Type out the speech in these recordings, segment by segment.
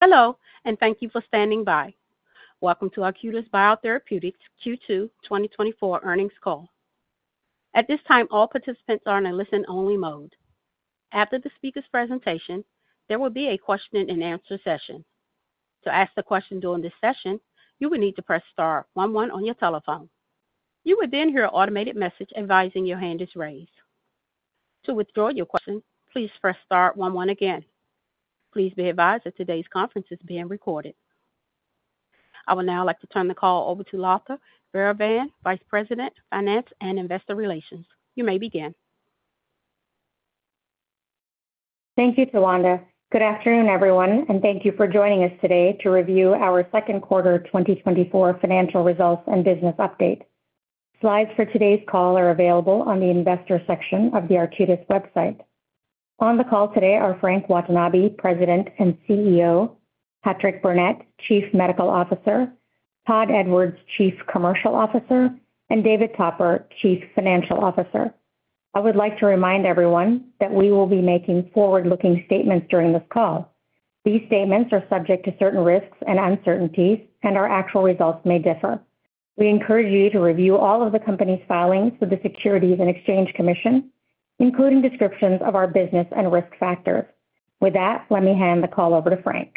Hello, and thank you for standing by. Welcome to Arcutis Biotherapeutics Q2 2024 Earnings Call. At this time, all participants are in a listen-only mode. After the speaker's presentation, there will be a question-and-answer session. To ask the question during this session, you will need to press star one one on your telephone. You will then hear an automated message advising your hand is raised. To withdraw your question, please press star one one again. Please be advised that today's conference is being recorded. I would now like to turn the call over to Latha Vairavan, Vice President, Finance and Investor Relations. You may begin. Thank you, Folanda. Good afternoon, everyone, and thank you for joining us today to review our second quarter 2024 financial results and business update. Slides for today's call are available on the investor section of the Arcutis website. On the call today are Frank Watanabe, President and CEO, Patrick Burnett, Chief Medical Officer, Todd Edwards, Chief Commercial Officer, and David Topper, Chief Financial Officer. I would like to remind everyone that we will be making forward-looking statements during this call. These statements are subject to certain risks and uncertainties, and our actual results may differ. We encourage you to review all of the company's filings with the Securities and Exchange Commission, including descriptions of our business and risk factors. With that, let me hand the call over to Frank.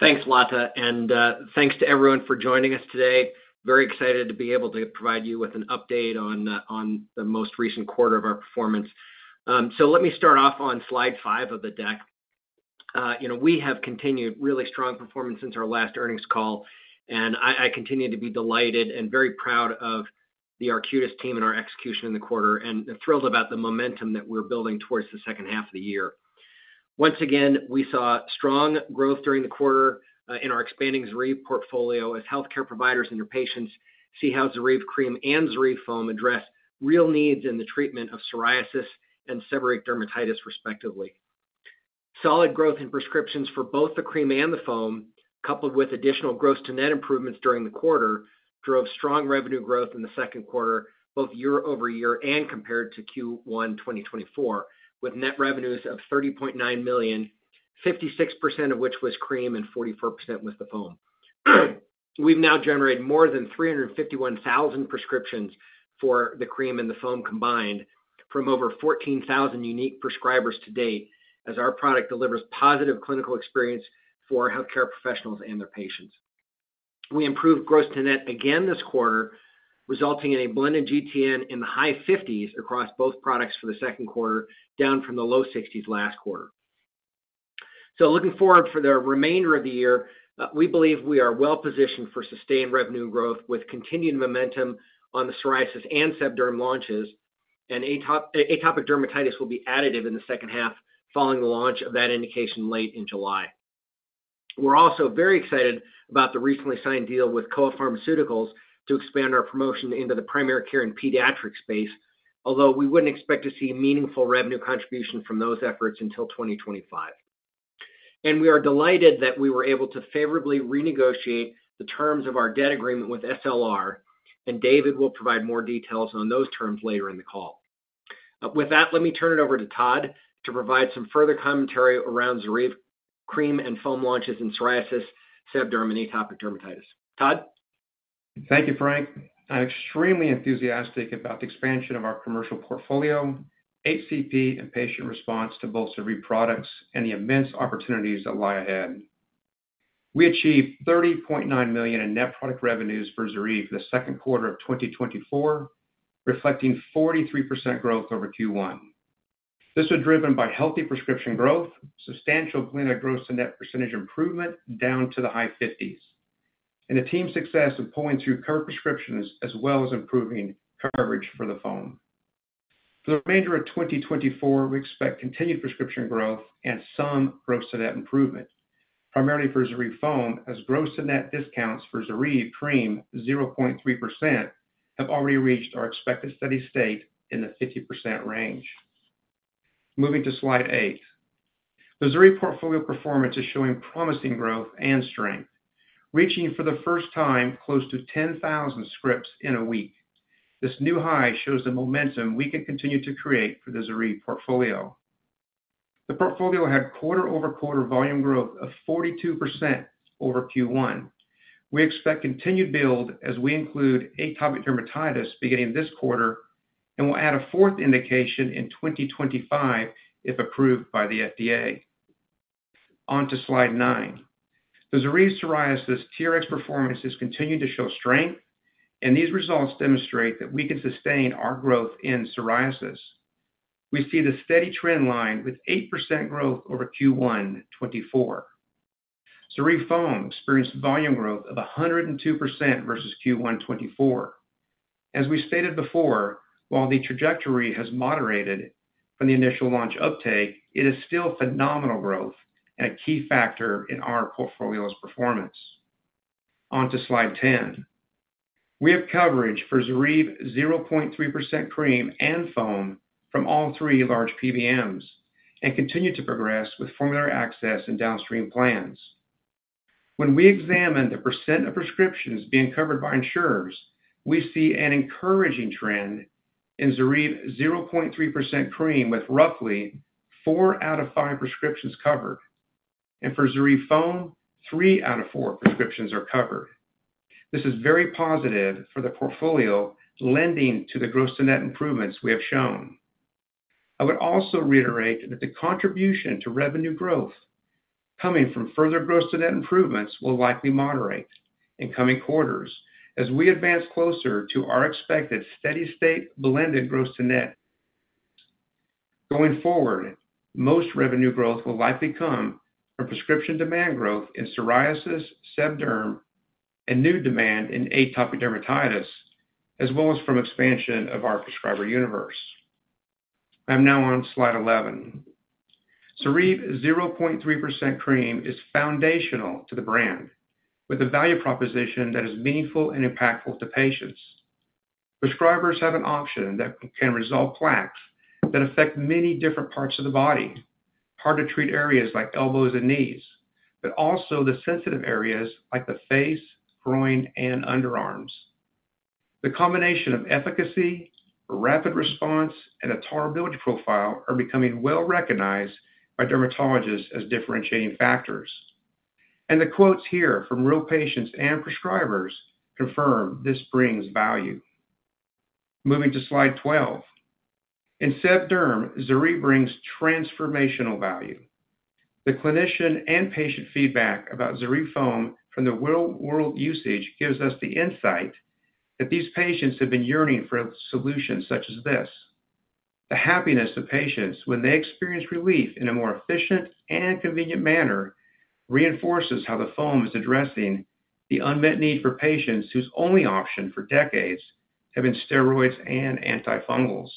Thanks, Latha, and thanks to everyone for joining us today. Very excited to be able to provide you with an update on the most recent quarter of our performance. So let me start off on slide five of the deck. You know, we have continued really strong performance since our last earnings call, and I continue to be delighted and very proud of the Arcutis team and our execution in the quarter, and thrilled about the momentum that we're building towards the second half of the year. Once again, we saw strong growth during the quarter in our expanding Zoryve portfolio as healthcare providers and their patients see how Zoryve cream and Zoryve foam address real needs in the treatment of psoriasis and seborrheic dermatitis, respectively. Solid growth in prescriptions for both the cream and the foam, coupled with additional gross-to-net improvements during the quarter, drove strong revenue growth in the second quarter, both year-over-year and compared to Q1 2024, with net revenues of $30.9 million, 56% of which was cream and 44% was the foam. We've now generated more than 351,000 prescriptions for the cream and the foam combined from over 14,000 unique prescribers to date, as our product delivers positive clinical experience for healthcare professionals and their patients. We improved gross-to-net again this quarter, resulting in a blended GTN in the high 50s across both products for the second quarter, down from the low 60s last quarter. So looking forward for the remainder of the year, we believe we are well positioned for sustained revenue growth, with continued momentum on the psoriasis and sebderm launches, and atopic dermatitis will be additive in the second half, following the launch of that indication late in July. We're also very excited about the recently signed deal with Kowa Pharmaceuticals to expand our promotion into the primary care and pediatric space, although we wouldn't expect to see meaningful revenue contribution from those efforts until 2025. And we are delighted that we were able to favorably renegotiate the terms of our debt agreement with SLR, and David will provide more details on those terms later in the call. With that, let me turn it over to Todd to provide some further commentary around Zoryve cream and foam launches in psoriasis, sebderm, and atopic dermatitis. Todd? Thank you, Frank. I'm extremely enthusiastic about the expansion of our commercial portfolio, HCP and patient response to both Zoryve products and the immense opportunities that lie ahead. We achieved $30.9 million in net product revenues for Zoryve for the second quarter of 2024, reflecting 43% growth over Q1. This was driven by healthy prescription growth, substantial cleaner gross-to-net percentage improvement down to the high 50s, and the team's success of pulling through current prescriptions as well as improving coverage for the foam. For the remainder of 2024, we expect continued prescription growth and some gross-to-net improvement, primarily for Zoryve foam, as gross-to-net discounts for Zoryve cream, 0.3%, have already reached our expected steady state in the 50% range. Moving to slide 8. The Zoryve portfolio performance is showing promising growth and strength, reaching for the first time close to 10,000 scripts in a week. This new high shows the momentum we can continue to create for the Zoryve portfolio. The portfolio had quarter-over-quarter volume growth of 42% over Q1. We expect continued build as we include atopic dermatitis beginning this quarter, and we'll add a fourth indication in 2025, if approved by the FDA. On to slide nine. The Zoryve psoriasis TRx performances continue to show strength, and these results demonstrate that we can sustain our growth in psoriasis. We see the steady trend line with 8% growth over Q1 2024. Zoryve foam experienced volume growth of 102% versus Q1 2024. As we stated before, while the trajectory has moderated from the initial launch uptake, it is still phenomenal growth and a key factor in our portfolio's performance. On to slide 10. We have coverage for Zoryve 0.3% cream and foam from all three large PBMs and continue to progress with formulary access and downstream plans. When we examine the percent of prescriptions being covered by insurers, we see an encouraging trend in Zoryve 0.3% cream, with roughly four out of five prescriptions covered. For Zoryve foam, three out of four prescriptions are covered. This is very positive for the portfolio, lending to the gross-to-net improvements we have shown. I would also reiterate that the contribution to revenue growth coming from further gross-to-net improvements will likely moderate in coming quarters as we advance closer to our expected steady state blended gross-to-net. Going forward, most revenue growth will likely come from prescription demand growth in psoriasis, SebDerm, and new demand in atopic dermatitis, as well as from expansion of our prescriber universe. I'm now on slide 11. Zoryve 0.3% cream is foundational to the brand, with a value proposition that is meaningful and impactful to patients. Prescribers have an option that can resolve plaques that affect many different parts of the body, hard to treat areas like elbows and knees, but also the sensitive areas like the face, groin, and underarms. The combination of efficacy, rapid response, and tolerability profile are becoming well-recognized by dermatologists as differentiating factors. The quotes here from real patients and prescribers confirm this brings value. Moving to slide 12. In SebDerm, Zoryve brings transformational value. The clinician and patient feedback about Zoryve foam from the real world usage gives us the insight that these patients have been yearning for solutions such as this. The happiness of patients when they experience relief in a more efficient and convenient manner reinforces how the foam is addressing the unmet need for patients whose only option for decades have been steroids and antifungals.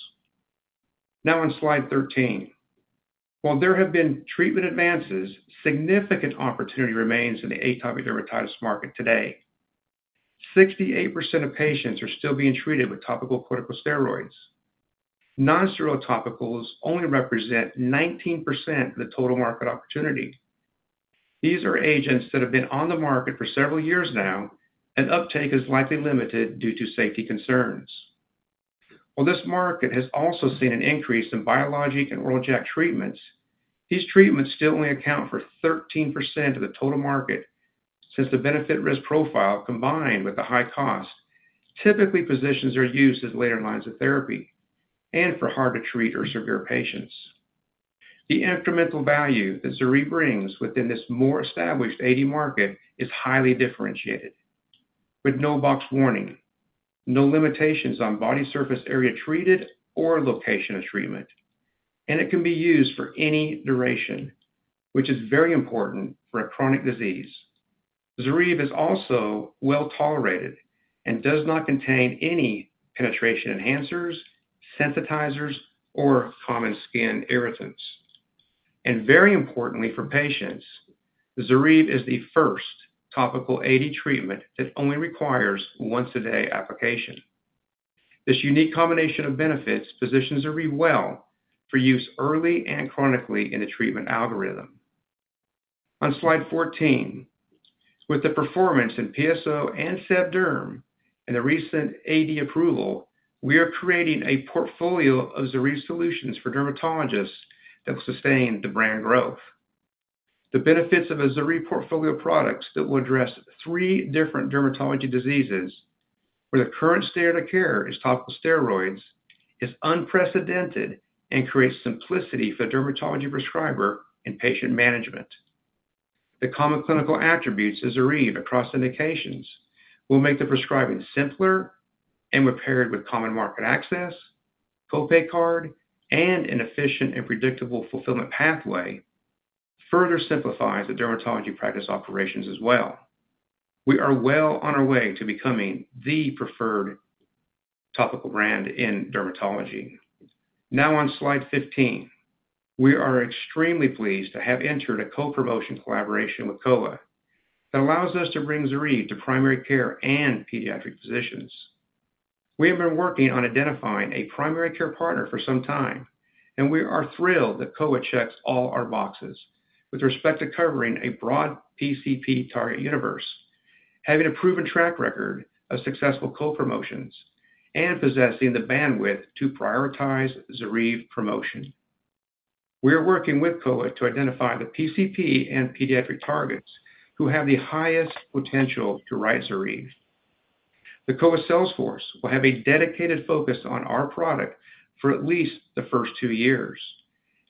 Now on slide 13. While there have been treatment advances, significant opportunity remains in the atopic dermatitis market today. 68% of patients are still being treated with topical corticosteroids. Nonsteroidal topicals only represent 19% of the total market opportunity. These are agents that have been on the market for several years now, and uptake is likely limited due to safety concerns. While this market has also seen an increase in biologic and oral JAK treatments, these treatments still only account for 13% of the total market, since the benefit risk profile, combined with the high cost, typically positions their use as later lines of therapy and for hard to treat or severe patients. The incremental value that Zoryve brings within this more established AD market is highly differentiated, with no box warning, no limitations on body surface area treated or location of treatment, and it can be used for any duration, which is very important for a chronic disease. Zoryve is also well-tolerated and does not contain any penetration enhancers, sensitizers, or common skin irritants. And very importantly for patients, Zoryve is the first topical AD treatment that only requires once-a-day application. This unique combination of benefits positions Zoryve well for use early and chronically in the treatment algorithm. On slide 14. With the performance in PSO and SebDerm and the recent AD approval, we are creating a portfolio of Zoryve solutions for dermatologists that will sustain the brand growth. The benefits of a Zoryve portfolio products that will address three different dermatology diseases, where the current standard of care is topical steroids, is unprecedented and creates simplicity for the dermatology prescriber and patient management. The common clinical attributes of Zoryve across indications will make the prescribing simpler and when paired with common market access, copay card, and an efficient and predictable fulfillment pathway, further simplifies the dermatology practice operations as well. We are well on our way to becoming the preferred topical brand in dermatology. Now on slide 15. We are extremely pleased to have entered a co-promotion collaboration with Kowa that allows us to bring Zoryve to primary care and pediatric physicians. We have been working on identifying a primary care partner for some time, and we are thrilled that Kowa checks all our boxes with respect to covering a broad PCP target universe, having a proven track record of successful co-promotions, and possessing the bandwidth to prioritize Zoryve promotion. We are working with Kowa to identify the PCP and pediatric targets who have the highest potential to write Zoryve. The Kowa sales force will have a dedicated focus on our product for at least the first two years,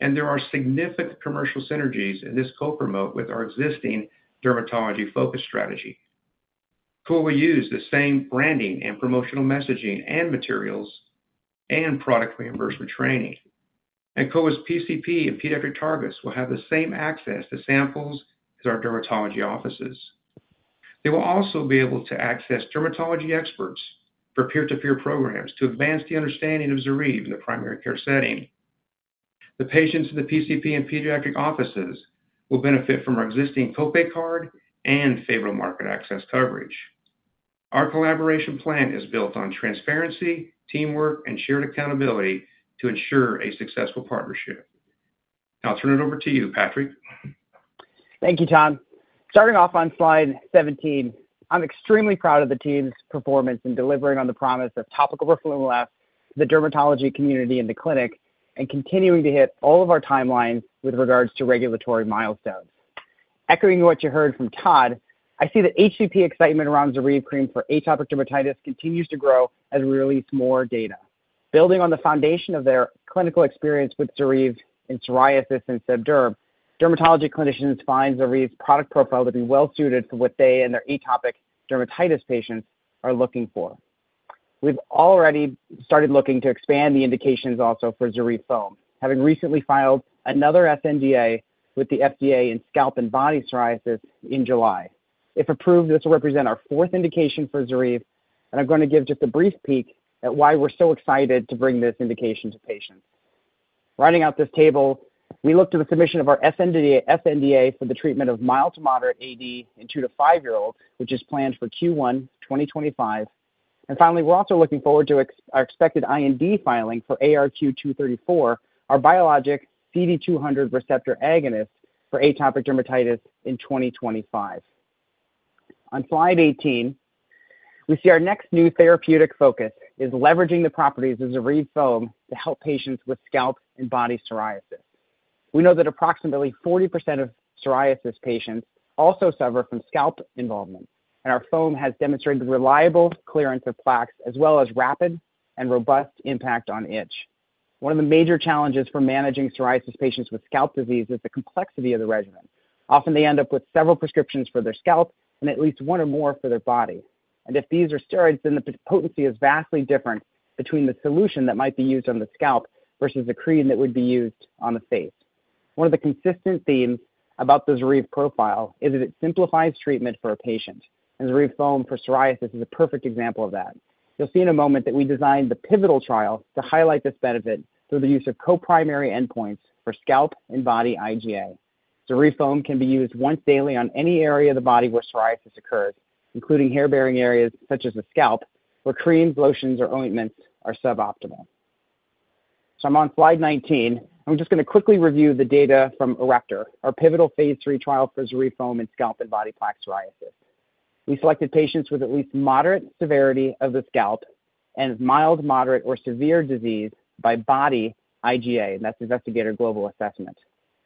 and there are significant commercial synergies in this co-promote with our existing dermatology focus strategy. Kowa will use the same branding and promotional messaging and materials and product reimbursement training. Kowa's PCP and pediatric targets will have the same access to samples as our dermatology offices. They will also be able to access dermatology experts for peer-to-peer programs to advance the understanding of Zoryve in the primary care setting. The patients in the PCP and pediatric offices will benefit from our existing copay card and favorable market access coverage. Our collaboration plan is built on transparency, teamwork, and shared accountability to ensure a successful partnership. Now I'll turn it over to you, Patrick. Thank you, Todd. Starting off on slide 17, I'm extremely proud of the team's performance in delivering on the promise of topical roflumilast, the dermatology community in the clinic, and continuing to hit all of our timelines with regards to regulatory milestones. Echoing what you heard from Todd, I see the HCP excitement around Zoryve cream for atopic dermatitis continues to grow as we release more data. Building on the foundation of their clinical experience with Zoryve in psoriasis and SEBDERM, dermatology clinicians find Zoryve's product profile to be well suited for what they and their atopic dermatitis patients are looking for. We've already started looking to expand the indications also for Zoryve foam, having recently filed another sNDA with the FDA in scalp and body psoriasis in July. If approved, this will represent our fourth indication for Zoryve, and I'm going to give just a brief peek at why we're so excited to bring this indication to patients. Writing out this table, we look to the submission of our sNDA, sNDA for the treatment of mild to moderate AD in 2- to 5-year-olds, which is planned for Q1 2025. And finally, we're also looking forward to our expected IND filing for ARQ-234, our biologic CD200 receptor agonist for atopic dermatitis in 2025. On slide 18, we see our next new therapeutic focus is leveraging the properties of Zoryve foam to help patients with scalp and body psoriasis. We know that approximately 40% of psoriasis patients also suffer from scalp involvement, and our foam has demonstrated reliable clearance of plaques, as well as rapid and robust impact on itch. One of the major challenges for managing psoriasis patients with scalp disease is the complexity of the regimen. Often, they end up with several prescriptions for their scalp and at least one or more for their body. If these are steroids, then the potency is vastly different between the solution that might be used on the scalp versus the cream that would be used on the face. One of the consistent themes about the Zoryve profile is that it simplifies treatment for a patient, and Zoryve foam for psoriasis is a perfect example of that. You'll see in a moment that we designed the pivotal trial to highlight this benefit through the use of co-primary endpoints for scalp and body IGA. Zoryve foam can be used once daily on any area of the body where psoriasis occurs, including hair-bearing areas such as the scalp, where creams, lotions, or ointments are suboptimal. I'm on slide 19. I'm just going to quickly review the data from ARRECTOR, our pivotal phase III trial for Zoryve foam in scalp and body plaque psoriasis. We selected patients with at least moderate severity of the scalp and with mild, moderate, or severe disease by body IGA, and that's Investigator Global Assessment.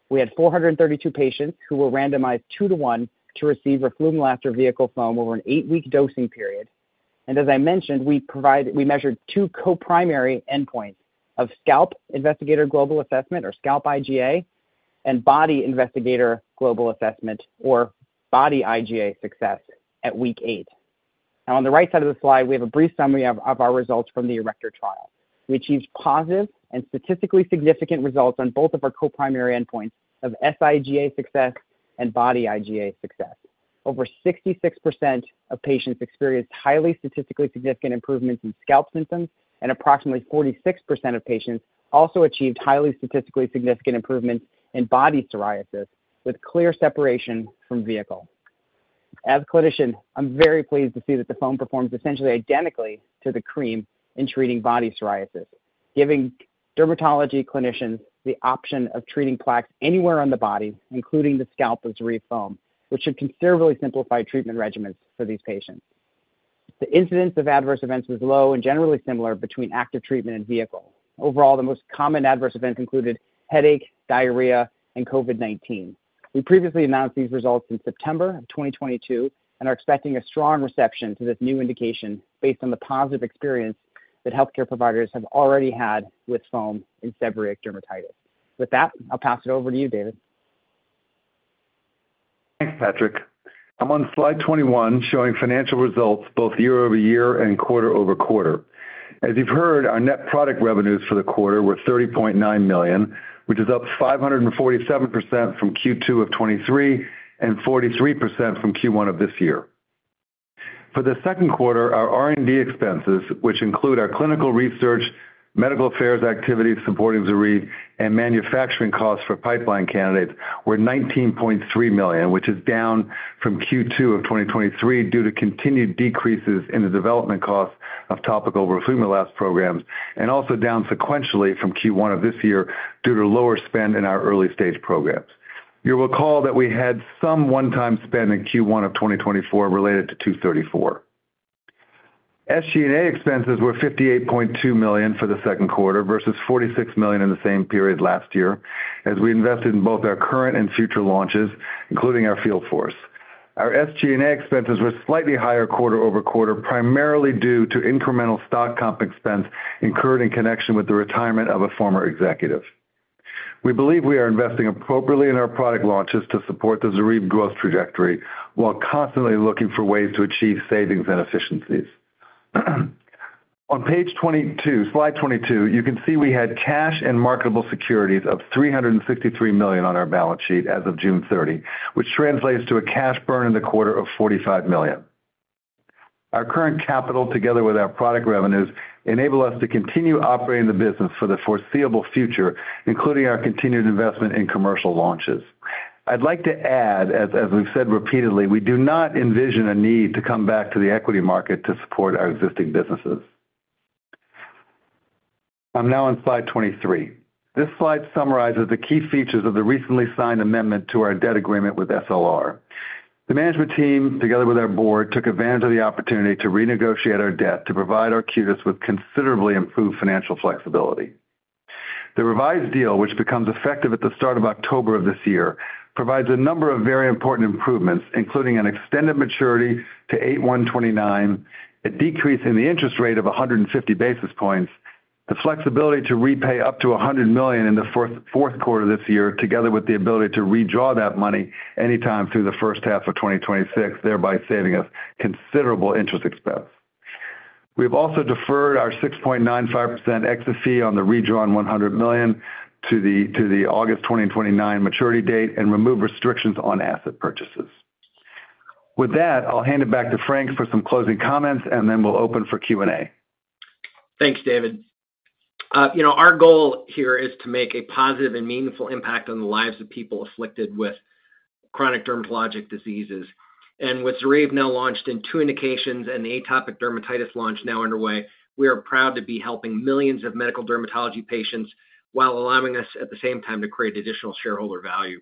We had 432 patients who were randomized 2:1 to receive roflumilast or vehicle foam over an 8-week dosing period. As I mentioned, we measured 2 co-primary endpoints of scalp Investigator Global Assessment, or scalp IGA, and Body Investigator Global Assessment, or body IGA success at week eight. Now, on the right side of the slide, we have a brief summary of our results from the ARRECTOR trial. We achieved positive and statistically significant results on both of our co-primary endpoints of scalp IGA success and body IGA success. Over 66% of patients experienced highly statistically significant improvements in scalp symptoms, and approximately 46% of patients also achieved highly statistically significant improvements in body psoriasis, with clear separation from vehicle. As a clinician, I'm very pleased to see that the foam performs essentially identically to the cream in treating body psoriasis, giving dermatology clinicians the option of treating plaques anywhere on the body, including the scalp, with Zoryve foam, which should considerably simplify treatment regimens for these patients. The incidence of adverse events was low and generally similar between active treatment and vehicle. Overall, the most common adverse events included headache, diarrhea, and COVID-19. We previously announced these results in September of 2022 and are expecting a strong reception to this new indication based on the positive experience that healthcare providers have already had with foam in seborrheic dermatitis. With that, I'll pass it over to you, David. Thanks, Patrick. I'm on slide 21, showing financial results both year-over-year and quarter-over-quarter. As you've heard, our net product revenues for the quarter were $30.9 million, which is up 547% from Q2 of 2023, and 43% from Q1 of this year. For the second quarter, our R&D expenses, which include our clinical research, medical affairs activities supporting Zoryve, and manufacturing costs for pipeline candidates, were $19.3 million, which is down from Q2 of 2023 due to continued decreases in the development costs of topical roflumilast programs, and also down sequentially from Q1 of this year due to lower spend in our early-stage programs. You'll recall that we had some one-time spend in Q1 of 2024 related to ARQ-234. SG&A expenses were $58.2 million for the second quarter versus $46 million in the same period last year, as we invested in both our current and future launches, including our field force. Our SG&A expenses were slightly higher quarter-over-quarter, primarily due to incremental stock comp expense incurred in connection with the retirement of a former executive. We believe we are investing appropriately in our product launches to support the Zoryve growth trajectory while constantly looking for ways to achieve savings and efficiencies. On page 22, slide 22, you can see we had cash and marketable securities of $363 million on our balance sheet as of June 30th, which translates to a cash burn in the quarter of $45 million. Our current capital, together with our product revenues, enable us to continue operating the business for the foreseeable future, including our continued investment in commercial launches. I'd like to add, as we've said repeatedly, we do not envision a need to come back to the equity market to support our existing businesses. I'm now on slide 23. This slide summarizes the key features of the recently signed amendment to our debt agreement with SLR. The management team, together with our board, took advantage of the opportunity to renegotiate our debt to provide Arcutis with considerably improved financial flexibility. The revised deal, which becomes effective at the start of October of this year, provides a number of very important improvements, including an extended maturity to August 1st, 2029, a decrease in the interest rate of 150 basis points, the flexibility to repay up to $100 million in the fourth quarter this year, together with the ability to redraw that money anytime through the first half of 2026, thereby saving us considerable interest expense. We've also deferred our 6.95% exit fee on the redrawn $100 million to the August 2029 maturity date and removed restrictions on asset purchases. With that, I'll hand it back to Frank for some closing comments, and then we'll open for Q&A. Thanks, David. You know, our goal here is to make a positive and meaningful impact on the lives of people afflicted with chronic dermatologic diseases. And with Zoryve now launched in two indications and the atopic dermatitis launch now underway, we are proud to be helping millions of medical dermatology patients while allowing us, at the same time, to create additional shareholder value.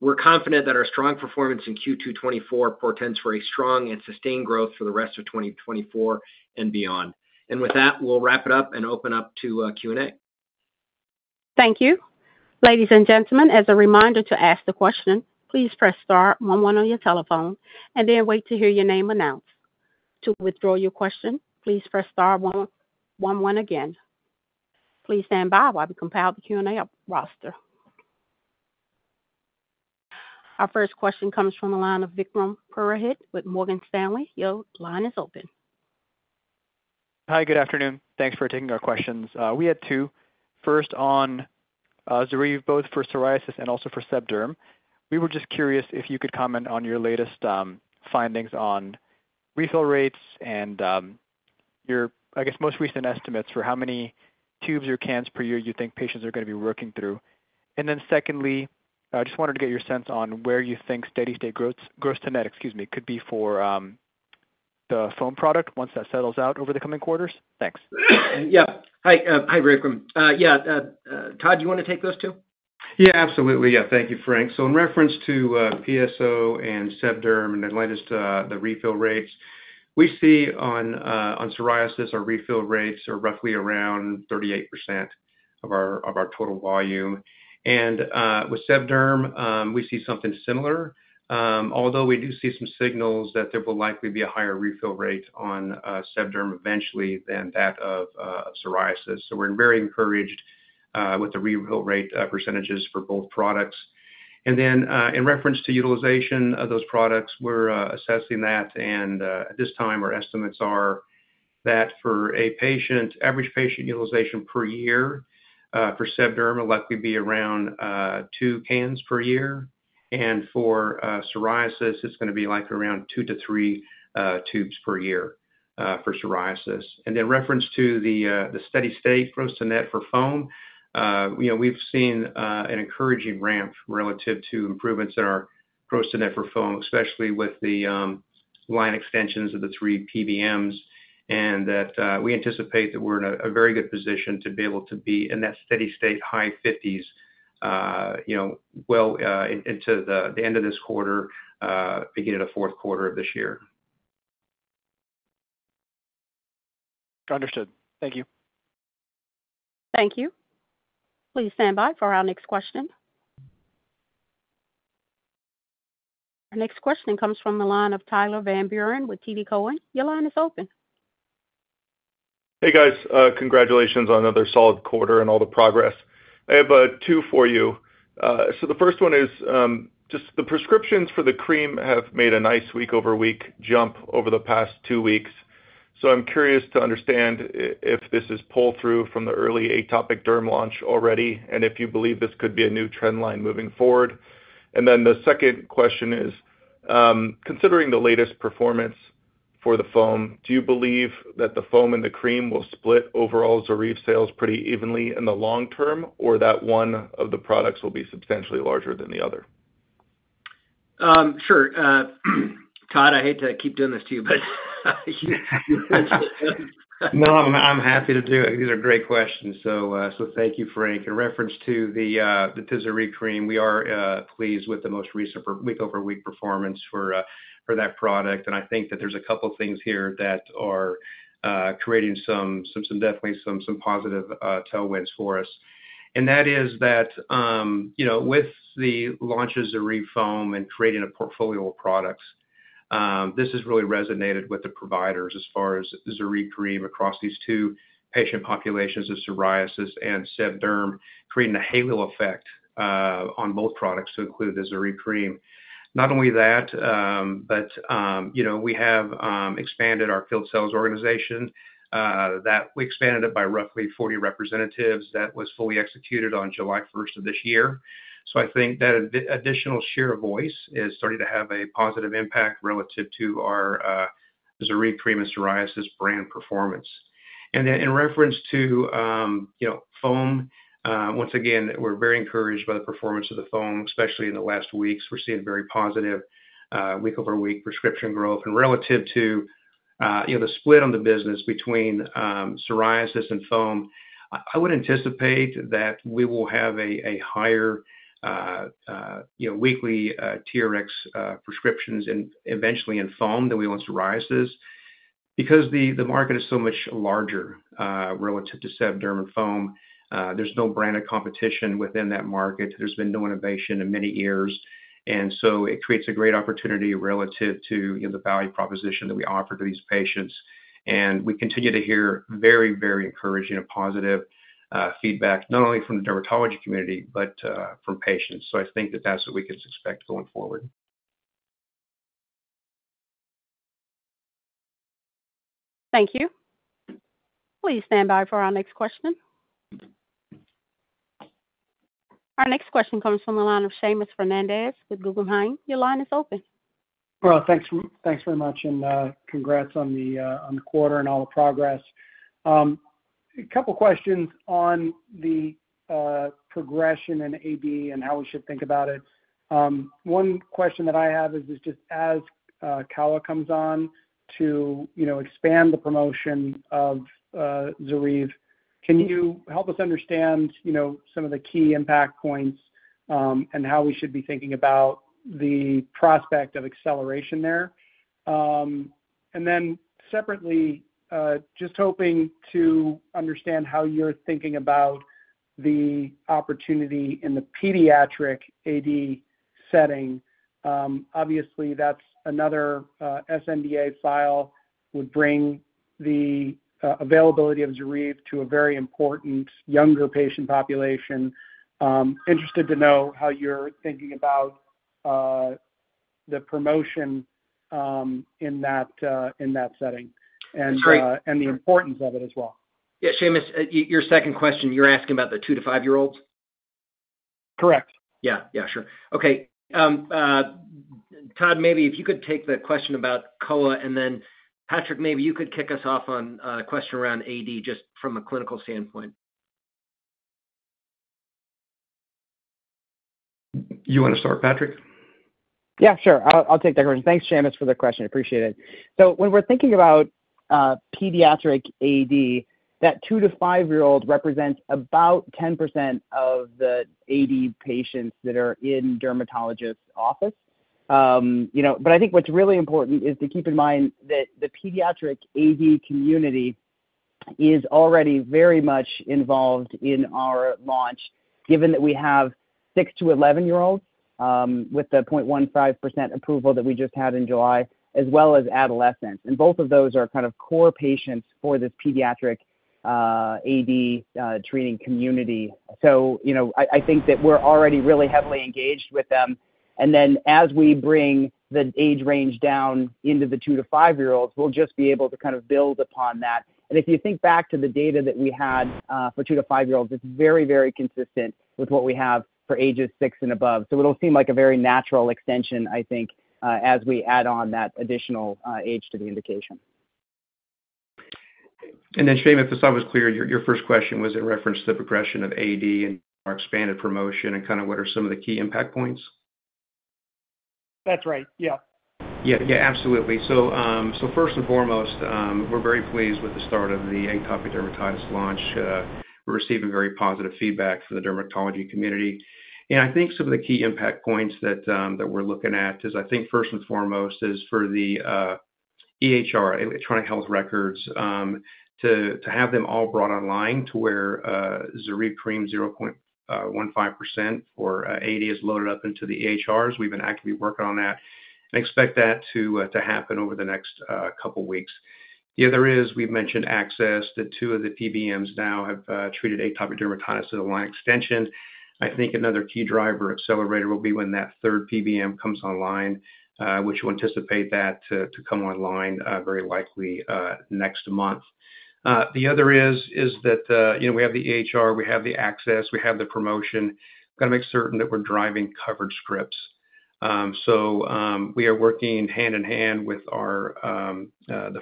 We're confident that our strong performance in Q2 2024 portends for a strong and sustained growth for the rest of 2024 and beyond. And with that, we'll wrap it up and open up to Q&A. Thank you. Ladies and gentlemen, as a reminder to ask the question, please press star one one on your telephone and then wait to hear your name announced. To withdraw your question, please press star one, one one again. Please stand by while we compile the Q&A roster. Our first question comes from the line of Vikram Purohit with Morgan Stanley. Your line is open. Hi, good afternoon. Thanks for taking our questions. We had two. First on Zoryve, both for psoriasis and also for SebDerm. We were just curious if you could comment on your latest findings on refill rates and your, I guess, most recent estimates for how many tubes or cans per year you think patients are going to be working through. And then secondly, I just wanted to get your sense on where you think steady state gross-to-net, excuse me, could be for the foam product once that settles out over the coming quarters. Thanks. Yeah. Hi, Vikram. Yeah, Todd, you want to take those two? Yeah, absolutely. Yeah. Thank you, Frank. So in reference to PSO and SebDerm and the latest refill rates, we see on psoriasis, our refill rates are roughly around 38% of our total volume. And with SebDerm, we see something similar, although we do see some signals that there will likely be a higher refill rate on SebDerm eventually than that of psoriasis. So we're very encouraged with the refill rate percentages for both products. And then in reference to utilization of those products, we're assessing that, and at this time, our estimates are that for a patient—average patient utilization per year for SebDerm will likely be around two cans per year. For psoriasis, it's going to be likely around 2-3 tubes per year for psoriasis. Then reference to the steady state gross-to-net for foam, you know, we've seen an encouraging ramp relative to improvements in our gross-to-net for foam, especially with the line extensions of the three PBMs, and that we anticipate that we're in a very good position to be able to be in that steady state, high 50s%, you know, well into the end of this quarter, beginning of the fourth quarter of this year. Understood. Thank you. Thank you. Please stand by for our next question. Our next question comes from the line of Tyler Van Buren with TD Cowen. Your line is open. Hey, guys, congratulations on another solid quarter and all the progress. I have two for you. So the first one is just the prescriptions for the cream have made a nice week-over-week jump over the past two weeks. So I'm curious to understand if this is pull through from the early atopic derm launch already, and if you believe this could be a new trend line moving forward. And then the second question is, considering the latest performance for the foam, do you believe that the foam and the cream will split overall Zoryve sales pretty evenly in the long term, or that one of the products will be substantially larger than the other? Sure. Todd, I hate to keep doing this to you, but- No, I'm happy to do it. These are great questions. So, thank you, Frank. In reference to the Zoryve cream, we are pleased with the most recent per week-over-week performance for that product. And I think that there's a couple things here that are creating some positive tailwinds for us. And that is that, you know, with the launch of Zoryve foam and creating a portfolio of products, this has really resonated with the providers as far as Zoryve cream across these two patient populations of psoriasis and SebDerm, creating a halo effect on both products to include the Zoryve cream. Not only that, but, you know, we have expanded our field sales organization, that we expanded it by roughly 40 representatives. That was fully executed on July first of this year. So I think that additional share of voice is starting to have a positive impact relative to our Zoryve cream and psoriasis brand performance. And then in reference to, you know, foam, once again, we're very encouraged by the performance of the foam, especially in the last weeks. We're seeing very positive week-over-week prescription growth. And relative to, you know, the split on the business between psoriasis and foam, I would anticipate that we will have a higher, you know, weekly TRx prescriptions eventually in foam than we want psoriasis. Because the market is so much larger relative to Seb Derm and foam. There's no brand of competition within that market. There's been no innovation in many years, and so it creates a great opportunity relative to, you know, the value proposition that we offer to these patients. We continue to hear very, very encouraging and positive feedback, not only from the dermatology community, but from patients. I think that that's what we can expect going forward. Thank you. Please stand by for our next question. Our next question comes from the line of Seamus Fernandez with Guggenheim. Your line is open. Well, thanks, thanks very much, and, congrats on the, on the quarter and all the progress. A couple questions on the, progression in AD and how we should think about it. One question that I have is just as, Kowa comes on to, you know, expand the promotion of, Zoryve, can you help us understand, you know, some of the key impact points, and how we should be thinking about the prospect of acceleration there? And then separately, just hoping to understand how you're thinking about the opportunity in the pediatric AD setting. Obviously, that's another, SNDA file would bring the, availability of Zoryve to a very important younger patient population. Interested to know how you're thinking about, the promotion, in that, in that setting and, Great. And the importance of it as well. Yeah, Seamus, your second question, you're asking about the 2- to 5-year-olds? Correct. Yeah. Yeah, sure. Okay, Todd, maybe if you could take the question about Kowa, and then Patrick, maybe you could kick us off on a question around AD, just from a clinical standpoint. You want to start, Patrick? Yeah, sure. I'll, I'll take that one. Thanks, Seamus, for the question. Appreciate it. So when we're thinking about pediatric AD, that 2- to 5-year-old represents about 10% of the AD patients that are in dermatologist's office. You know, but I think what's really important is to keep in mind that the pediatric AD community is already very much involved in our launch, given that we have 6- to 11-year-olds with the 0.15% approval that we just had in July, as well as adolescents. And both of those are kind of core patients for this pediatric AD treating community. So, you know, I, I think that we're already really heavily engaged with them. And then as we bring the age range down into the 2- to 5-year-olds, we'll just be able to kind of build upon that. If you think back to the data that we had for 2- to 5-year-olds, it's very, very consistent with what we have for ages 6 and above. It'll seem like a very natural extension, I think, as we add on that additional age to the indication. Then, Seamus, if this all was clear, your first question was in reference to the progression of AD and our expanded promotion and kind of what are some of the key impact points? That's right. Yeah. Yeah. Yeah, absolutely. So, first and foremost, we're very pleased with the start of the atopic dermatitis launch. We're receiving very positive feedback from the dermatology community. And I think some of the key impact points that we're looking at is, I think first and foremost, is for the EHR, electronic health records, to have them all brought online to where Zoryve cream 0.15% for AD is loaded up into the EHRs. We've been actively working on that and expect that to happen over the next couple weeks. The other is, we've mentioned access. Two of the PBMs now have treated atopic dermatitis as a line extension. I think another key driver accelerator will be when that third PBM comes online, which we anticipate that to come online very likely next month. The other is that, you know, we have the EHR, we have the access, we have the promotion. We've got to make certain that we're driving covered scripts. So, we are working hand in hand with the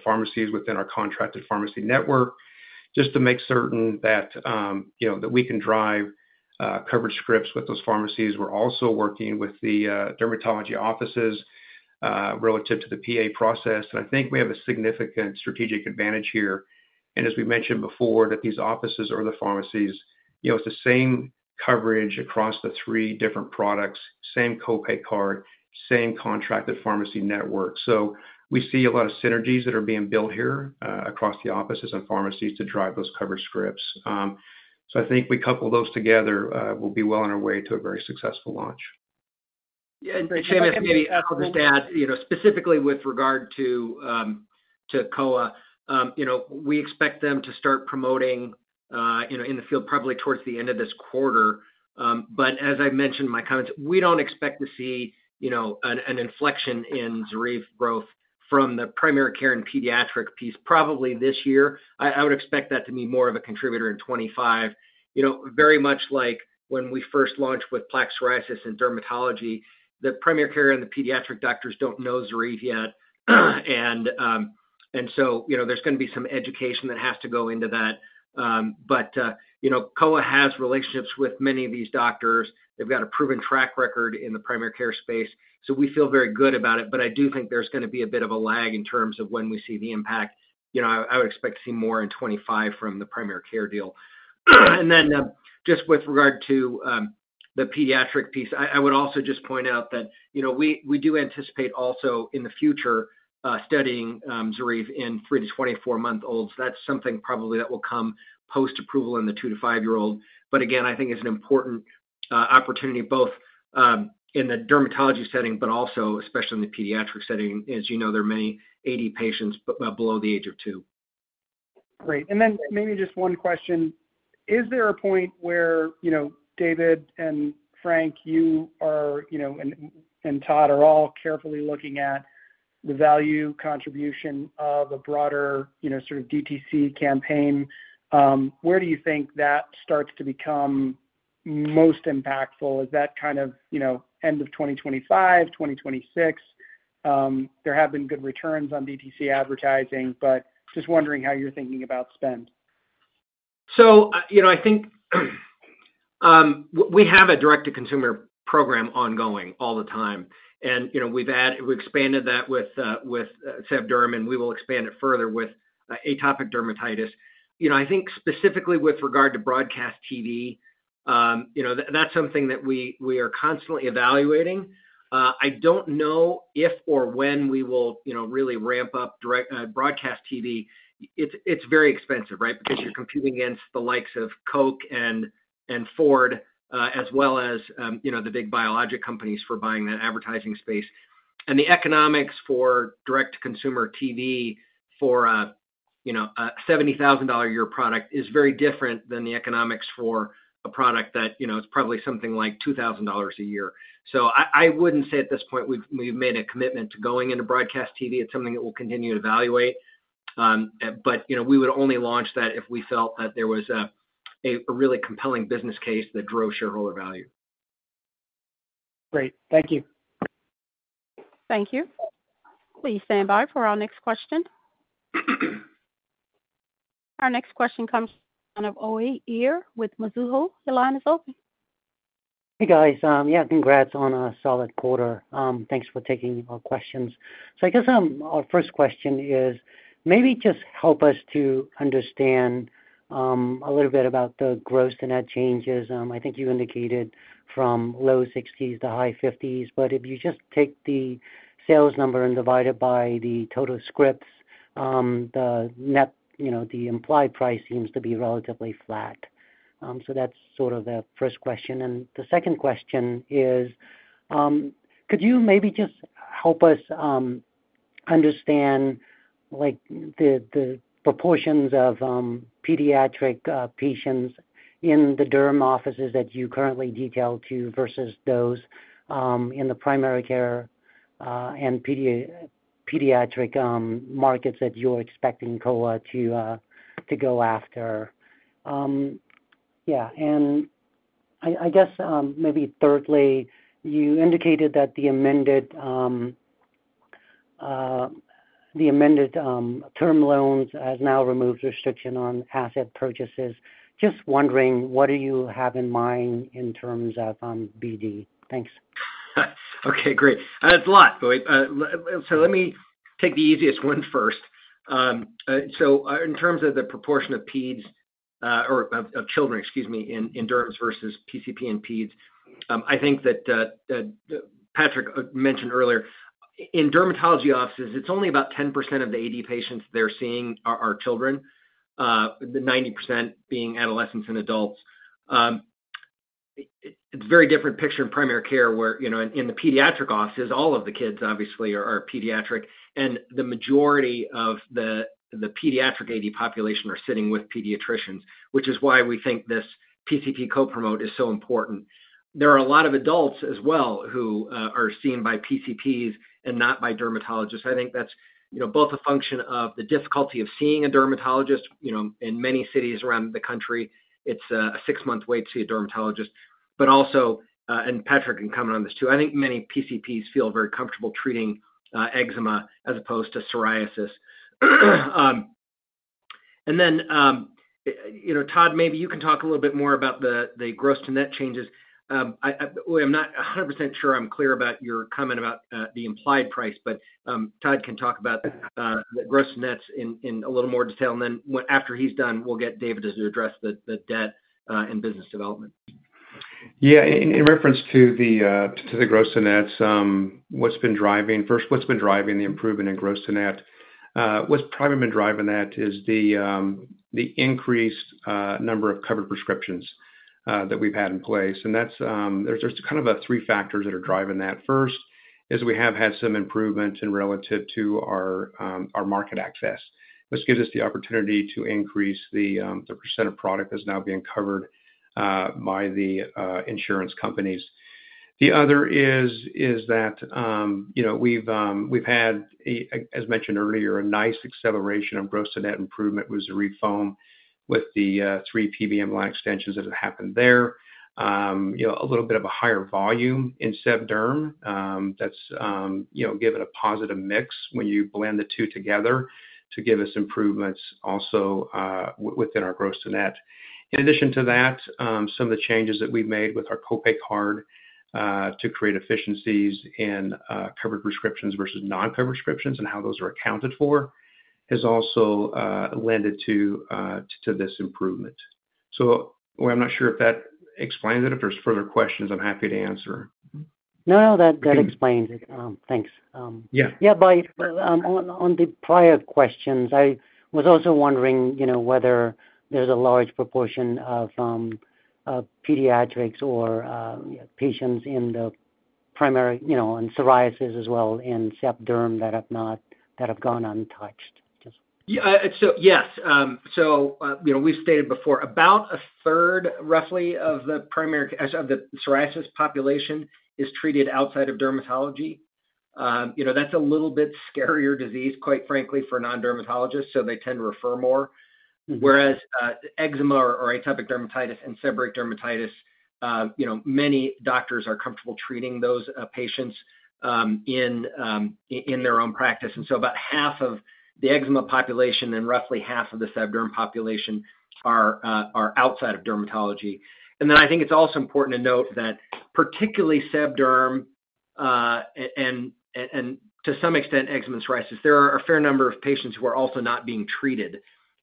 pharmacies within our contracted pharmacy network, just to make certain that, you know, that we can drive coverage scripts with those pharmacies. We're also working with the dermatology offices relative to the PA process, and I think we have a significant strategic advantage here. As we mentioned before, that these offices or the pharmacies, you know, it's the same coverage across the three different products, same co-pay card, same contracted pharmacy network. So we see a lot of synergies that are being built here, across the offices and pharmacies to drive those coverage scripts. So I think we couple those together, we'll be well on our way to a very successful launch. Yeah, and Seamus, maybe I'll just add, you know, specifically with regard to Kowa, you know, we expect them to start promoting, you know, in the field probably towards the end of this quarter. But as I mentioned in my comments, we don't expect to see, you know, an inflection in Zoryve growth from the primary care and pediatric piece, probably this year. I, I would expect that to be more of a contributor in 2025. You know, very much like when we first launched with plaque psoriasis in dermatology, the primary care and the pediatric doctors don't know Zoryve yet. And so, you know, there's gonna be some education that has to go into that. But, you know, Kowa has relationships with many of these doctors. They've got a proven track record in the primary care space, so we feel very good about it. But I do think there's gonna be a bit of a lag in terms of when we see the impact. You know, I, I would expect to see more in 2025 from the primary care deal. Just with regard to the pediatric piece, I would also just point out that, you know, we do anticipate also in the future studying Zoryve in 3- to 24-month-olds. That's something probably that will come post-approval in the 2- to 5-year-old. But again, I think it's an important opportunity, both in the dermatology setting, but also especially in the pediatric setting. As you know, there are many AD patients below the age of 2. Great. And then maybe just one question. Is there a point where, you know, David and Frank, you are, you know, and, and Todd are all carefully looking at the value contribution of a broader, you know, sort of DTC campaign? Where do you think that starts to become most impactful? Is that kind of, you know, end of 2025, 2026? There have been good returns on DTC advertising, but just wondering how you're thinking about spend. You know, I think we have a direct-to-consumer program ongoing all the time. You know, we've expanded that with SebDerm, and we will expand it further with atopic dermatitis. You know, I think specifically with regard to broadcast TV, you know, that's something that we are constantly evaluating. I don't know if or when we will, you know, really ramp up direct broadcast TV. It's very expensive, right? Because you're competing against the likes of Coke and Ford, as well as, you know, the big biologic companies for buying that advertising space. And the economics for direct-to-consumer TV for, you know, a $70,000 a year product is very different than the economics for a product that, you know, is probably something like $2,000 a year. So I wouldn't say at this point, we've made a commitment to going into broadcast TV. It's something that we'll continue to evaluate. But, you know, we would only launch that if we felt that there was a really compelling business case that drove shareholder value. Great. Thank you. Thank you. Please stand by for our next question. Our next question comes from Uy Ear with Mizuho. Your line is open. Hey, guys. Yeah, congrats on a solid quarter. Thanks for taking our questions. So I guess our first question is, maybe just help us to understand a little bit about the gross-to-net changes. I think you indicated from low 60s to high 50s, but if you just take the sales number and divide it by the total scripts, the net, you know, the implied price seems to be relatively flat. So that's sort of the first question. And the second question is, could you maybe just help us understand, like, the proportions of pediatric patients in the derm offices that you currently detail to, versus those in the primary care and pediatric markets that you're expecting Kowa to go after? Yeah, and I guess, maybe thirdly, you indicated that the amended term loans has now removed restriction on asset purchases. Just wondering, what do you have in mind in terms of BD? Thanks. Okay, great. It's a lot, Uy. So let me take the easiest one first. In terms of the proportion of peds, or of children, excuse me, in derms versus PCP and peds, I think that Patrick mentioned earlier, in dermatology offices, it's only about 10% of the AD patients they're seeing are children, the 90% being adolescents and adults. It's a very different picture in primary care, where, you know, in the pediatric offices, all of the kids obviously are pediatric, and the majority of the pediatric AD population are sitting with pediatricians, which is why we think this PCP co-promote is so important. There are a lot of adults as well, who are seen by PCPs and not by dermatologists. I think that's, you know, both a function of the difficulty of seeing a dermatologist. You know, in many cities around the country, it's a six-month wait to see a dermatologist. But also, and Patrick can comment on this, too, I think many PCPs feel very comfortable treating eczema as opposed to psoriasis. And then, you know, Todd, maybe you can talk a little bit more about the gross-to-net changes. I'm not 100% sure I'm clear about your comment about the implied price, but Todd can talk about the gross-to-nets in a little more detail. And then after he's done, we'll get David to address the debt and business development. Yeah, in reference to the gross-to-net, what's been driving—First, what's been driving the improvement in gross-to-net? What's probably been driving that is the increased number of covered prescriptions that we've had in place. And that's, there's kind of three factors that are driving that. First, is we have had some improvements in relative to our market access. This gives us the opportunity to increase the percent of product that's now being covered by the insurance companies. The other is that, you know, we've had a—as mentioned earlier, a nice acceleration of gross-to-net improvement with Zoryve foam, with the three PBM line extensions as it happened there. You know, a little bit of a higher volume in SEBDERM, that's, you know, give it a positive mix when you blend the two together to give us improvements also within our gross-to-net. In addition to that, some of the changes that we've made with our co-pay card to create efficiencies in covered prescriptions versus non-covered prescriptions and how those are accounted for, has also lent to this improvement. So well, I'm not sure if that explains it. If there's further questions, I'm happy to answer. No, no, that explains it. Thanks. Yeah. Yeah, but on the prior questions, I was also wondering, you know, whether there's a large proportion of pediatrics or patients in the primary, you know, and psoriasis as well, in SEBDERM, that have gone untouched. Just- You know, we've stated before, about 1/3, roughly, of the primary care psoriasis population is treated outside of dermatology. You know, that's a little bit scarier disease, quite frankly, for non-dermatologists, so they tend to refer more. Whereas, eczema or atopic dermatitis and seborrheic dermatitis, you know, many doctors are comfortable treating those patients in their own practice. And so about half of the eczema population and roughly half of the SEBDERM population are outside of dermatology. And then I think it's also important to note that particularly SEBDERM and to some extent, eczema and psoriasis, there are a fair number of patients who are also not being treated.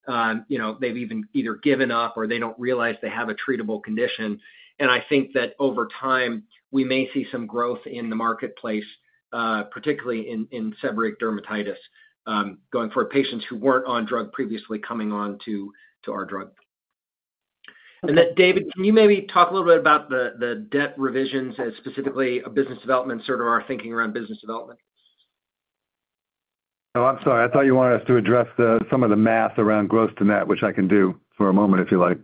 You know, they've even either given up or they don't realize they have a treatable condition. And I think that over time, we may see some growth in the marketplace, particularly in seborrheic dermatitis, going for patients who weren't on drug previously coming on to our drug. Okay. And then, David, can you maybe talk a little bit about the debt revisions and specifically business development, sort of our thinking around business development? Oh, I'm sorry. I thought you wanted us to address some of the math around gross-to-net, which I can do for a moment, if you like.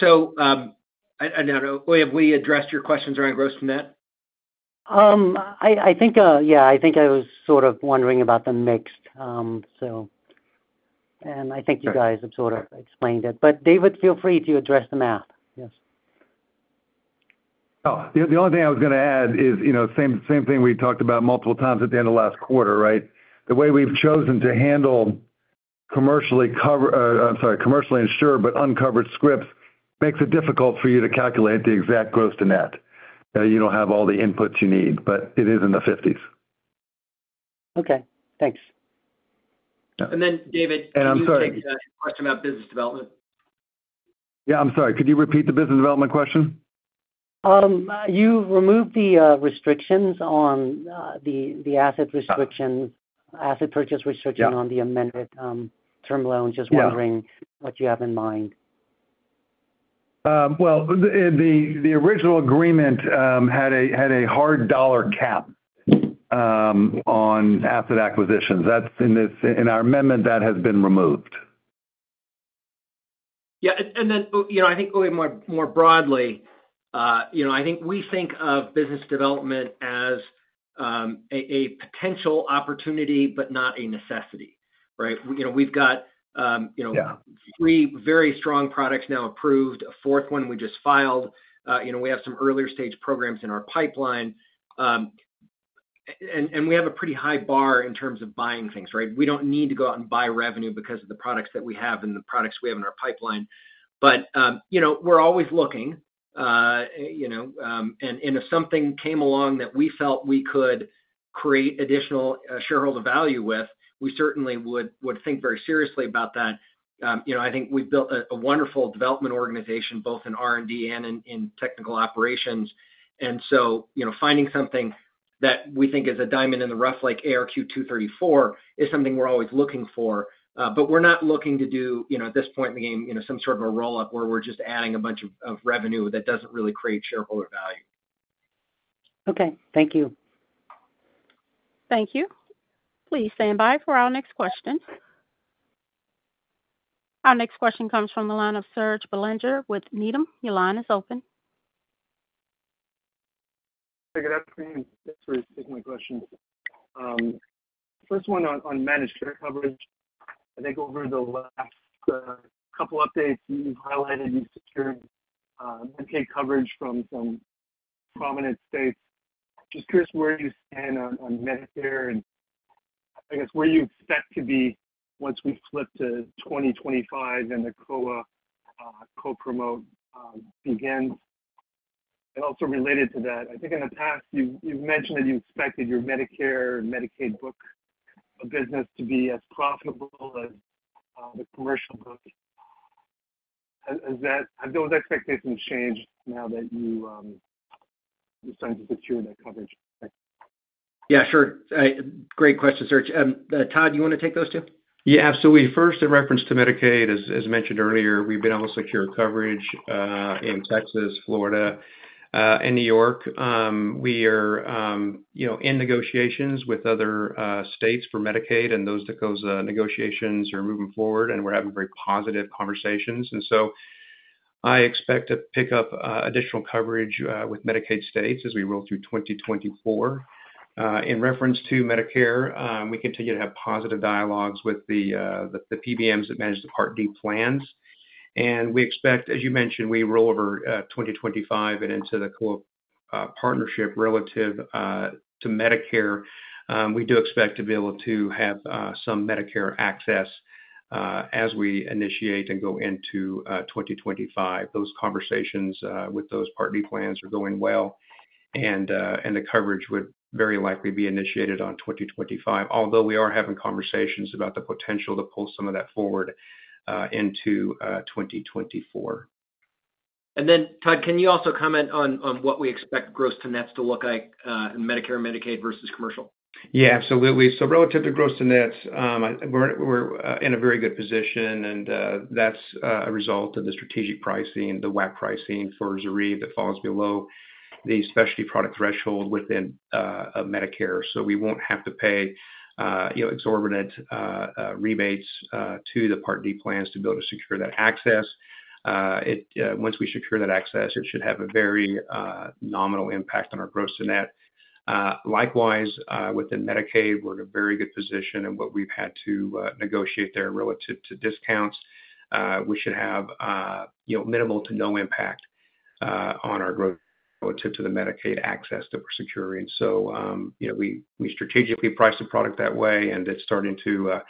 So, have we addressed your questions around gross-to-net? I think I was sort of wondering about the mix. And I think you guys have sort of explained it. But David, feel free to address the math. Yes. Oh, the only thing I was gonna add is, you know, same, same thing we talked about multiple times at the end of last quarter, right? The way we've chosen to handle commercially insured, but uncovered scripts, makes it difficult for you to calculate the exact gross-to-net. You don't have all the inputs you need, but it is in the fifties. Okay, thanks. Yeah. And then, David, I'm sorry. Can you take the question about business development? Yeah, I'm sorry. Could you repeat the business development question? You removed the asset purchase restrictions on the amended term loan. Yeah. Just wondering what you have in mind? Well, the original agreement had a hard dollar cap on asset acquisitions. That's in our amendment that has been removed. Yeah, and then, you know, I think going more broadly, you know, I think we think of business development as a potential opportunity, but not a necessity, right? You know, we've got, you know, three very strong products now approved, a fourth one we just filed. You know, we have some earlier stage programs in our pipeline. And we have a pretty high bar in terms of buying things, right? We don't need to go out and buy revenue because of the products that we have and the products we have in our pipeline. But you know, we're always looking, and if something came along that we felt we could create additional shareholder value with, we certainly would think very seriously about that. You know, I think we've built a wonderful development organization, both in R&D and in technical operations. And so, you know, finding something that we think is a diamond in the rough, like ARQ-234, is something we're always looking for. But we're not looking to do, you know, at this point in the game, you know, some sort of a roll-up, where we're just adding a bunch of revenue that doesn't really create shareholder value. Okay, thank you. Thank you. Please stand by for our next question. Our next question comes from the line of Serge Belanger with Needham. Your line is open. Good afternoon, thanks for taking my question. First one on managed care coverage. I think over the last couple updates, you've highlighted, you've secured Medicaid coverage from some prominent states. Just curious where you stand on Medicare, and I guess, where you expect to be once we flip to 2025 and the Kowa co-promote begins? And also related to that, I think in the past, you've mentioned that you expected your Medicare and Medicaid book of business to be as profitable as the commercial book. Has that - have those expectations changed now that you are starting to secure that coverage? Thanks. Yeah, sure. Great question, Serge. Todd, you wanna take those two? Yeah, absolutely. First, in reference to Medicaid, as mentioned earlier, we've been able to secure coverage in Texas, Florida, and New York. We are, you know, in negotiations with other states for Medicaid and those negotiations are moving forward, and we're having very positive conversations. And so, I expect to pick up additional coverage with Medicaid states as we roll through 2024. In reference to Medicare, we continue to have positive dialogues with the PBMs that manage the Part D plans. We expect, as you mentioned, we roll over 2025 and into the quote "partnership" relative to Medicare. We do expect to be able to have some Medicare access as we initiate and go into 2025. Those conversations with those Part D plans are going well, and the coverage would very likely be initiated on 2025, although we are having conversations about the potential to pull some of that forward into 2024. Todd, can you also comment on what we expect gross-to-nets to look like in Medicare and Medicaid versus commercial? Yeah, absolutely. So relative to gross-to-nets, we're in a very good position, and that's a result of the strategic pricing, the WAC pricing for Zoryve that falls below the specialty product threshold within Medicare. So we won't have to pay, you know, exorbitant rebates to the Part D plans to be able to secure that access. Once we secure that access, it should have a very nominal impact on our gross-to-net. Likewise, within Medicaid, we're in a very good position in what we've had to negotiate there relative to discounts. We should have, you know, minimal to no impact on our gross relative to the Medicaid access that we're securing. You know, we strategically priced the product that way, and it's starting to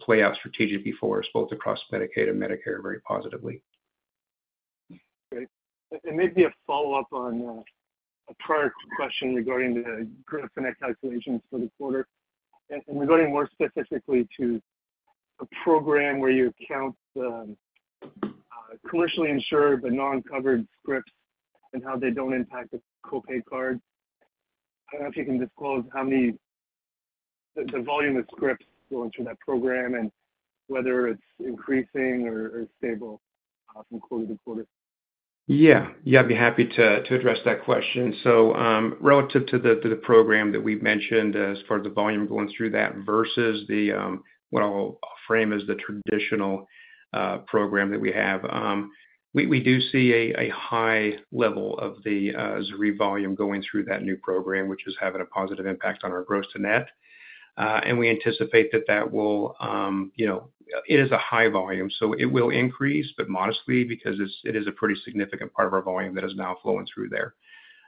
play out strategically for us, both across Medicaid and Medicare, very positively. Great. And maybe a follow-up on a prior question regarding the gross-to-net calculations for the quarter. And, and regarding more specifically to a program where you count the commercially insured, but non-covered scripts and how they don't impact the co-pay card. I don't know if you can disclose how many, the, the volume of scripts going through that program and whether it's increasing or stable from quarter-to-quarter. Yeah. Yeah, I'd be happy to address that question. So, relative to the program that we've mentioned, as far as the volume going through that versus the what I'll frame as the traditional program that we have, we do see a high level of the Zoryve volume going through that new program, which is having a positive impact on our gross-to-net. And we anticipate that will, you know, it is a high volume, so it will increase, but modestly, because it is a pretty significant part of our volume that is now flowing through there.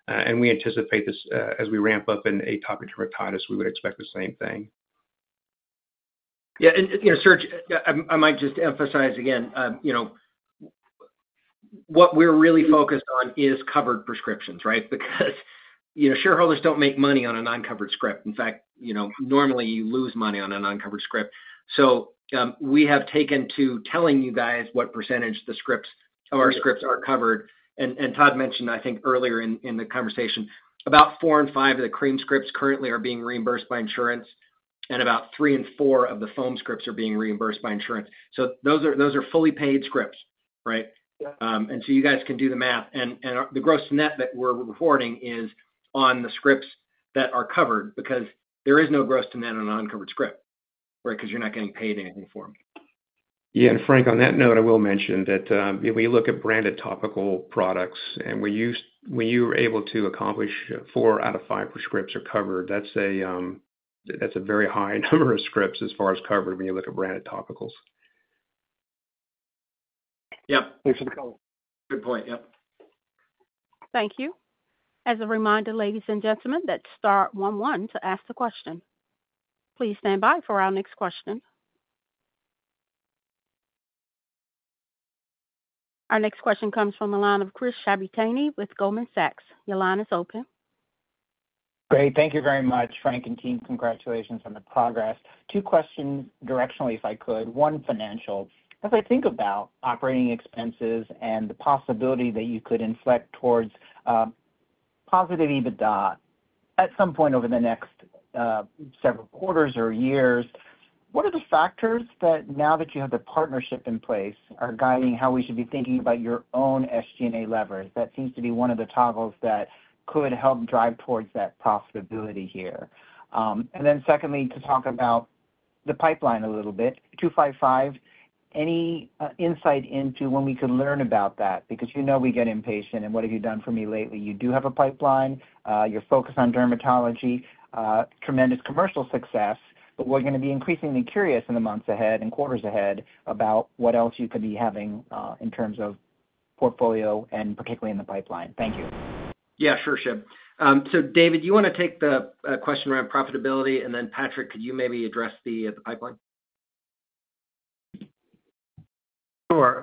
And we anticipate this as we ramp up in atopic dermatitis, we would expect the same thing. Yeah, and, you know, Serge, I might just emphasize again, you know, what we're really focused on is covered prescriptions, right? Because, you know, shareholders don't make money on an uncovered script. In fact, you know, normally, you lose money on an uncovered script. So, we have taken to telling you guys what percentage the scripts are covered. And Todd mentioned, I think earlier in the conversation, about 4 in 5 of the cream scripts currently are being reimbursed by insurance, and about 3 in 4 of the foam scripts are being reimbursed by insurance. So those are, those are fully paid scripts, right? Yeah. And so you guys can do the math. Our gross-to-net that we're reporting is on the scripts that are covered because there is no gross-to-net on an uncovered script, right? Because you're not getting paid anything for them. Yeah, and Frank, on that note, I will mention that, when we look at branded topical products, when you were able to accomplish four out of five prescriptions are covered, that's a, that's a very high number of scripts as far as covered when you look at branded topicals. Yep. Thanks for the call. Good point. Yep. Thank you. As a reminder, ladies and gentlemen, that's star one one to ask the question. Please stand by for our next question. Our next question comes from the line of Chris Shibutani with Goldman Sachs. Your line is open. Great. Thank you very much, Frank and team. Congratulations on the progress. Two questions directionally, if I could. One, financial. As I think about operating expenses and the possibility that you could inflect towards positive EBITDA at some point over the next several quarters or years, what are the factors that, now that you have the partnership in place, are guiding how we should be thinking about your own SG&A leverage? That seems to be one of the toggles that could help drive towards that profitability here. And then secondly, to talk about the pipeline a little bit, 255, any insight into when we could learn about that? Because you know we get impatient, and what have you done for me lately? You do have a pipeline. You're focused on dermatology, tremendous commercial success, but we're gonna be increasingly curious in the months ahead and quarters ahead about what else you could be having, in terms of portfolio and particularly in the pipeline. Thank you. Yeah, sure, Shib. So David, you want to take the question around profitability, and then Patrick, could you maybe address the pipeline? Sure.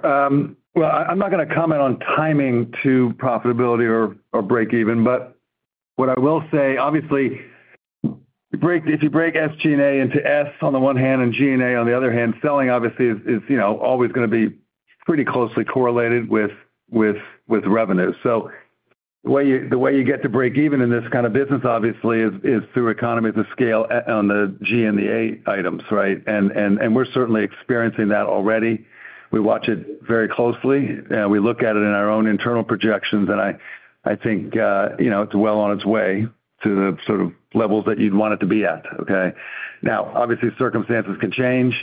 Well, I'm not gonna comment on timing to profitability or break even, but what I will say, obviously, if you break SG&A into S on the one hand and G&A on the other hand, selling obviously is, you know, always gonna be pretty closely correlated with revenue. So the way you get to break even in this kind of business, obviously, is through economies of scale on the G, and the A items, right? And we're certainly experiencing that already. We watch it very closely, we look at it in our own internal projections, and I think, you know, it's well on its way to the sort of levels that you'd want it to be at, okay? Now, obviously, circumstances can change.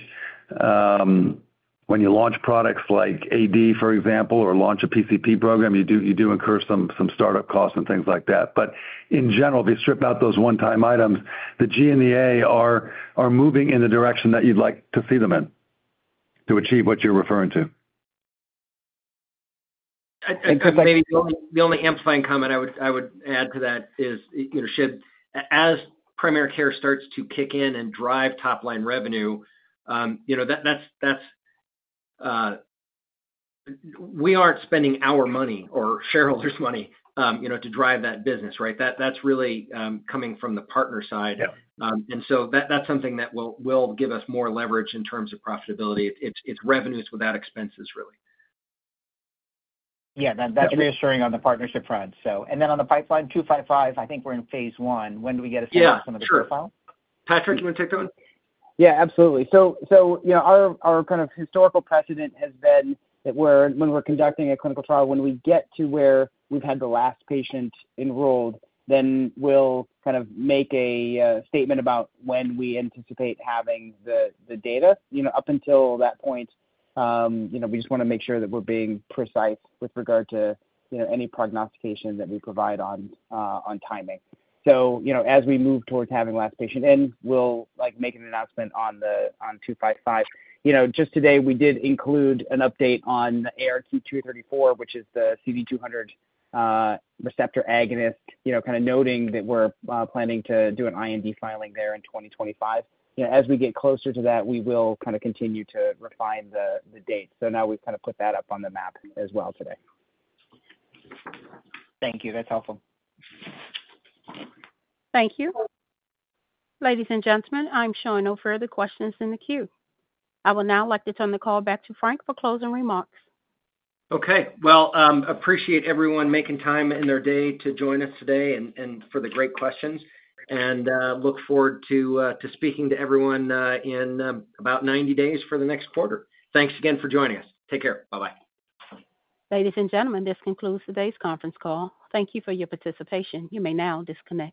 When you launch products like AD, for example, or launch a PCP program, you do, you do incur some, some startup costs and things like that. But in general, if you strip out those one-time items, the G and the A are, are moving in the direction that you'd like to see them in to achieve what you're referring to? I think maybe the only amplifying comment I would add to that is, you know, Shib, as primary care starts to kick in and drive top line revenue, you know, that, that's we aren't spending our money or shareholders' money, you know, to drive that business, right? That, that's really coming from the partner side. Yeah. And so that's something that will give us more leverage in terms of profitability. It's revenues without expenses, really. Yeah, that, that's reassuring on the partnership front, so. And then on the pipeline 255, I think we're in phase I. When do we get to see some of the profile? Yeah, sure. Patrick, you want to take that one? Yeah, absolutely. So, you know, our kind of historical precedent has been that we're, when we're conducting a clinical trial, when we get to where we've had the last patient enrolled, then we'll kind of make a statement about when we anticipate having the data. You know, up until that point, you know, we just wanna make sure that we're being precise with regard to, you know, any prognostication that we provide on timing. So, you know, as we move towards having last patient in, we'll, like, make an announcement on the 255. You know, just today, we did include an update on ARQ-234, which is the CD200 receptor agonist, you know, kind of noting that we're planning to do an IND filing there in 2025. You know, as we get closer to that, we will kind of continue to refine the date. So now we've kind of put that up on the map as well today. Thank you. That's helpful. Thank you. Ladies and gentlemen, I'm showing no further questions in the queue. I would now like to turn the call back to Frank for closing remarks. Okay. Well, appreciate everyone making time in their day to join us today and for the great questions. And look forward to speaking to everyone in about 90 days for the next quarter. Thanks again for joining us. Take care. Bye-bye. Ladies and gentlemen, this concludes today's conference call. Thank you for your participation. You may now disconnect.